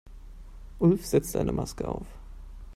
Ulf setzte eine Maske auf.